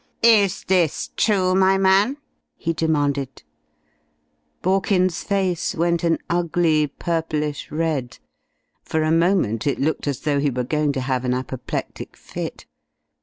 "Is this true, my man?" he demanded. Borkins's face went an ugly purplish red. For a moment it looked as though he were going to have an apoplectic fit.